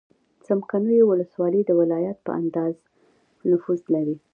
څمکنیو ولسوالۍ د ولایت په اندازه نفوس لري.